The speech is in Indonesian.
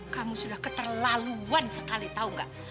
kamu sudah keterlaluan sekali tahu gak